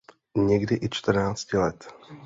Někdy i čtrnácti let.